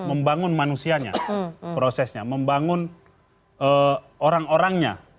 membangun manusianya prosesnya membangun orang orangnya